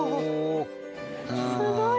すごい！